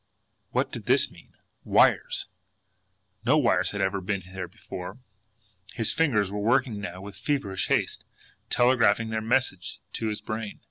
WHAT DID THIS MEAN? Wires! No wires had ever been there before! His fingers were working now with feverish haste, telegraphing their message to his brain.